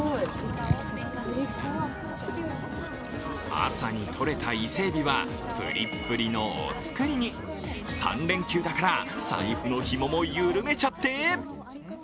朝にとれた伊勢えびはぷりっぷりのお造りに３連休だから財布のひもも緩めちゃって！